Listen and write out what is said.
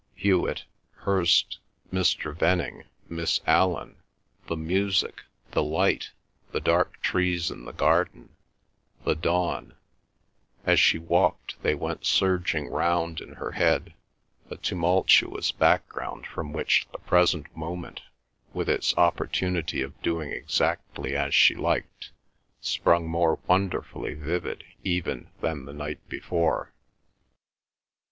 Hewet, Hirst, Mr. Venning, Miss Allan, the music, the light, the dark trees in the garden, the dawn,—as she walked they went surging round in her head, a tumultuous background from which the present moment, with its opportunity of doing exactly as she liked, sprung more wonderfully vivid even than the night before.